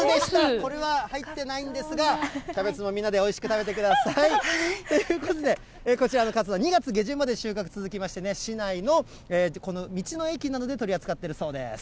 これは入ってないんですが、キャベツもみんなでおいしく食べてください。ということで、こちらのかつお菜、２月の下旬まで収穫続きましてね、市内の道の駅などで取り扱っているそうです。